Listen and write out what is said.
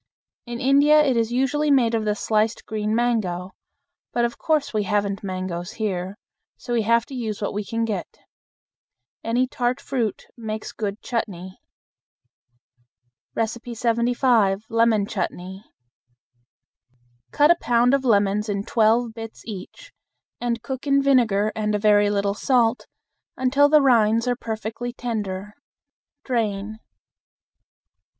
In India it is usually made of the sliced green mango; but of course we haven't mangoes here, so we have to use what we can get. Any tart fruit makes good chutney. 75. Lemon Chutney. Cut a pound of lemons in twelve bits each, and cook in vinegar and a very little salt until the rinds are perfectly tender. Drain.